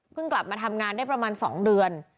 กลับมาทำงานได้ประมาณ๒เดือน